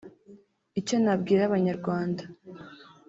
Icyo nabwira abanyarwanda